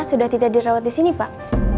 sudah tidak dirawat di sini pak